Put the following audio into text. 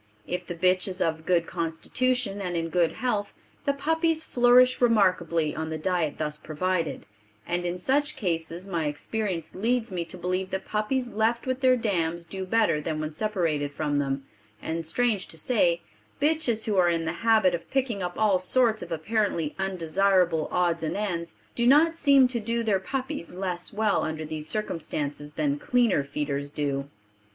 If the bitch is of good constitution and in good health, the puppies flourish remarkably on the diet thus provided, and in such cases my experience leads me to believe that puppies left with their dams do better than when separated from them and, strange to say, bitches who are in the habit of picking up all sorts of apparently undesirable odds and ends do not seem to do their puppies less well under these circumstances than cleaner feeders do.